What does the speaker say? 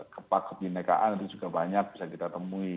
ke pak kebhinnekaan itu juga banyak bisa kita temui